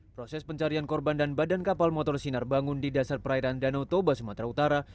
proses pencarian korban dan badan kapal motor sinar bangun di dasar perairan danau toba sumatera utara